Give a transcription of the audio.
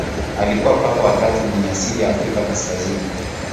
Alikuwa Papa wa tatu mwenye asili ya Afrika kaskazini.